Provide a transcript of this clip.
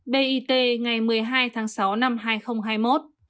bit ngày một mươi hai tháng sáu năm hai nghìn hai mươi một